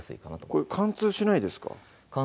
これ貫通しないですか？